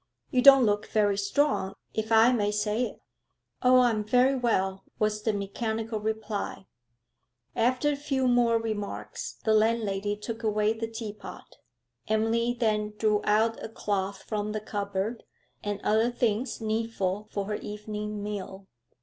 You don't look very strong, if I may say it.' 'Oh, I am very well,' was the mechanical reply. After a few more remarks the landlady took away the teapot. Emily then drew out a cloth from the cupboard, and other things needful for her evening meal.